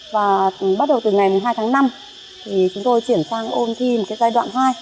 và bắt đầu từ ngày một mươi hai tháng năm thì chúng tôi chuyển sang ôn thi một cái giai đoạn hai